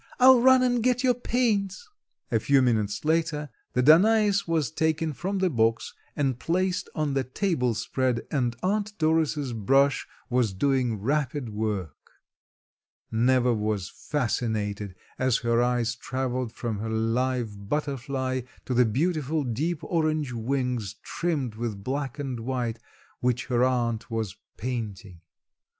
"I'll run and get your paints." A few minutes later the Danais was taken from the box and placed on the tablespread and Aunt Doris' brush was doing rapid work. Neva was fascinated as her eyes traveled from her live butterfly to the beautiful deep orange wings trimmed with black and white which her aunt was painting.